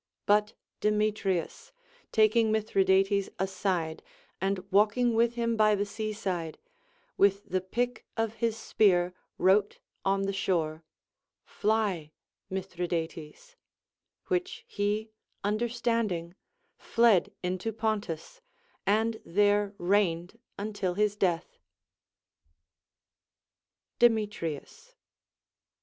But Demetrius, taking INIithridates aside and walking with him by the seaside, with the pick of his spear wrote on the shore, •' Fly, Mithridates ;" Avhich he understanding, fled into Pontus, and there reigned until his death. Demetrius.